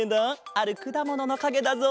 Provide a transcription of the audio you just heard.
あるくだもののかげだぞ。